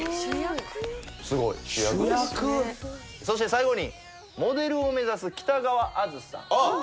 そして最後にモデルを目指す北川安珠さん。